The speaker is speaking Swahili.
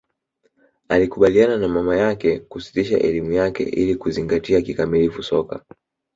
alikubaliana na mama yake kusitisha elimu yake ili kuzingatia kikamilifu soka